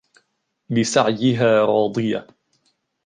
لسعيها راضية